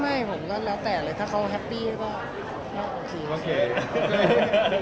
ไม่ผมก็แล้วแต่เลยถ้าเขาแฮปปี้ก็โอเคโอเค